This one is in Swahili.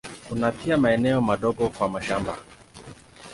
Kuna pia maeneo madogo kwa mashamba.